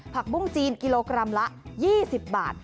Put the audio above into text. ปุ้งจีนกิโลกรัมละ๒๐บาท